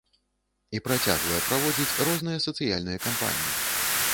І працягвае праводзіць розныя сацыяльныя кампаніі.